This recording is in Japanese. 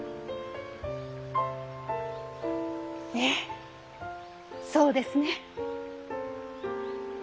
ええそうですね。